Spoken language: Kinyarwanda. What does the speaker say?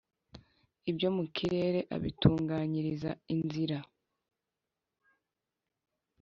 Ibyo mu kirere abitunganyiriza inzira,